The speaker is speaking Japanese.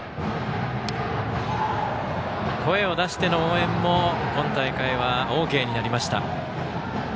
声を出しての応援も今大会はＯＫになりました。